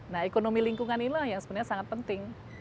nah ekonomi lingkungan inilah yang sebenarnya sangat penting